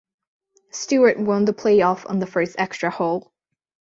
Stewart won the playoff on the first extra hole.